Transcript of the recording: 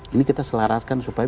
ini kita selaraskan supaya